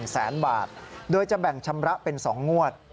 แสนบาทโดยจะแบ่งชำระเป็น๒งวด